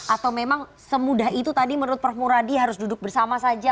atau memang semudah itu tadi menurut prof muradi harus duduk bersama saja